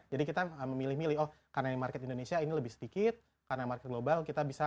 jadi kita memilih milih oh karena market indonesia ini lebih sedikit karena market global kita bisa